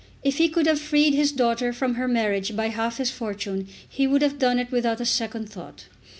If he could have freed his daughter from her marriage by half his fortune he would have done it without a second thought.